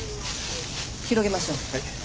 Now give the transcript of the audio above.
広げましょう。